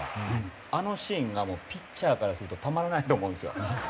あのシーンがもうピッチャーからするとたまらないと思うんですよ。